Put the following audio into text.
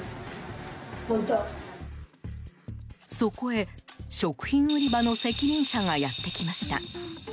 そこへ、食品売り場の責任者がやってきました。